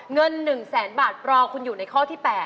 เงิน๑แสนบาทรอคุณอยู่ในข้อที่๘